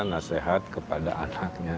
nasehat kepada anaknya